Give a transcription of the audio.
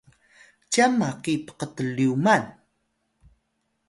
cyan maki pktlyuman